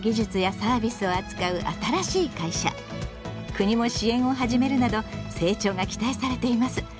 国も支援を始めるなど成長が期待されています。